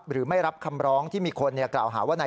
หรือไม่รับคำร้องที่มีคนกราวหาว่า